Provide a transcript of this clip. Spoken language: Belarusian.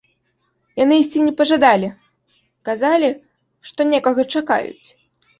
Яны ісці не пажадалі, казалі, што некага чакаюць!